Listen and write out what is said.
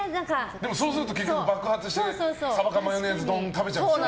そうなると、結局爆発してサバ缶マヨネーズ丼食べちゃうんでしょ。